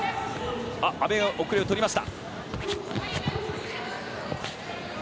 阿部が奥襟をとりました。